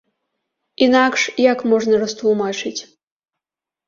Інакш, як можна растлумачыць?